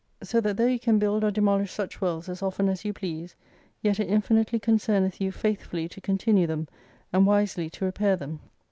So that though you can build or demolish such worlds as often as you please ; yet it infinitely concerneth you faithfully to continue them, and wisely to repair them.